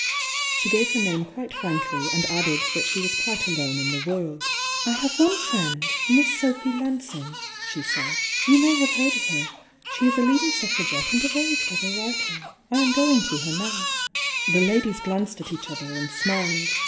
She gave her name quite frankly and added that she was quite alone m the ''°?have one friend, Mis8 Sophy Lansing," she Mdd— "You may have heard of her. She is a leading Suffragette and a very clever writer. I am gomg to her now." ,^,,„.,^ The ladies glanced at each other and smiled.